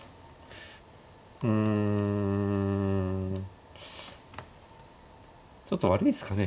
うんちょっと悪いですかね